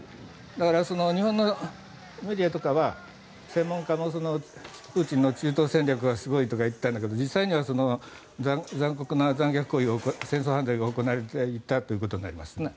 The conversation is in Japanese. だから、日本のメディアとかは専門家もプーチンの中東戦略はすごいとか言っていたんだけど実際は残虐な戦争犯罪が行われていたということになりますね。